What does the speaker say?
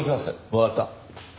わかった。